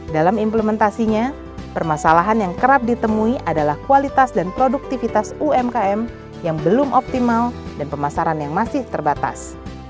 dalam implementasinya permasalahan yang kerap ditemui adalah kualitas dan produktivitas umkm yang belum optimal dan pemasaran yang masih terbatas